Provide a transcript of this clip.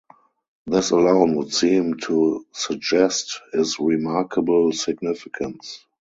This alone would seem to suggest his remarkable significance.